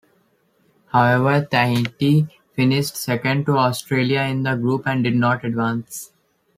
However, Tahiti finished second to Australia in the group and did not advance.